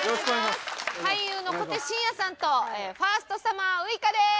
俳優の小手伸也さんとファーストサマーウイカです！